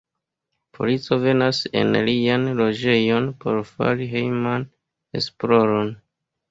Polico venas en lian loĝejon por fari hejman esploron.